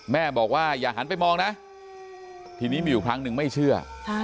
แม่บอกว่าอย่าหันไปมองนะทีนี้มีอยู่ครั้งหนึ่งไม่เชื่อ